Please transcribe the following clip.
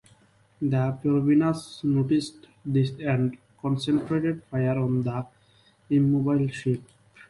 The Peruvians noticed this and concentrated fire on the immobile ship.